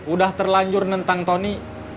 udah terlanjur nentang tony